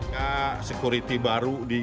kita security baru di atas